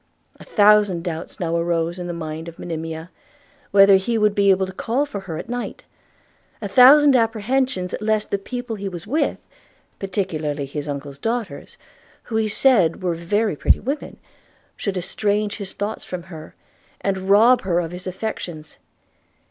A thousand doubts now arose in the mind of Monimia, whether he would be able to call for her at night; a thousand apprehensions lest the people he was with, particularly his uncle's daughters, who he said were very pretty women, should estrange his thoughts from her, and rob her of his affections.